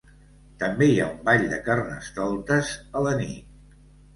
També hi ha un ball de carnestoltes a la nit.